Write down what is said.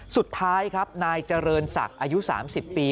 สุดท้ายครับนายเจริญศักดิ์อายุ๓๐ปี